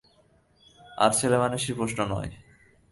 আর ছেলেমানুষি প্রশ্ন নয়।